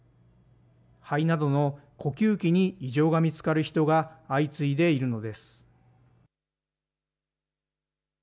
肺などの呼吸器に異常が見つかる人が相次いでいるのです。